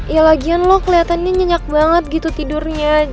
ya lagian lo kelihatannya nyenyak banget gitu tidurnya